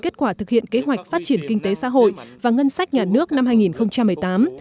kết quả thực hiện kế hoạch phát triển kinh tế xã hội và ngân sách nhà nước năm hai nghìn một mươi tám